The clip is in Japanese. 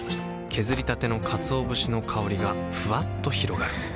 削りたてのかつお節の香りがふわっと広がるはぁ。